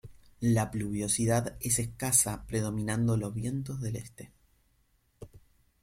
La pluviosidad es escasa predominando los vientos del este.